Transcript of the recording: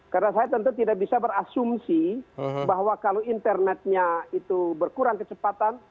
karena saya tentu tidak bisa berasumsi bahwa kalau internetnya itu berkurang kecepatan